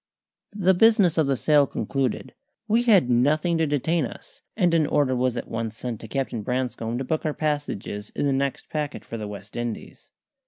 The business of the sale concluded, we had nothing to detain us, and an order was at once sent to Captain Branscome to book our passages in the next packet for the West Indies.